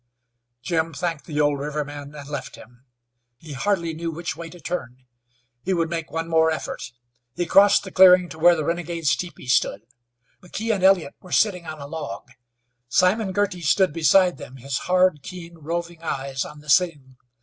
Jim thanked the old riverman and left him. He hardly knew which way to turn. He would make one more effort. He crossed the clearing to where the renegades' teepee stood. McKee and Elliott were sitting on a log. Simon Girty stood beside them, his hard, keen, roving eyes on the scene.